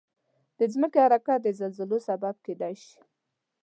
د ځمکې حرکت د زلزلو سبب کېدای شي.